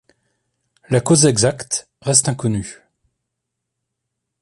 La cause exacte reste inconnue.